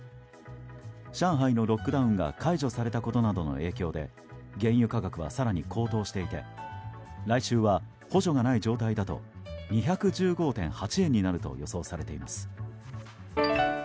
上海のロックダウンが解除されたことなどの影響で原油価格は更に高騰していて来週は補助がない状態だと２１５．８円になると予想されています。